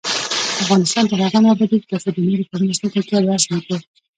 افغانستان تر هغو نه ابادیږي، ترڅو د نورو په مرستو تکیه بس نکړو.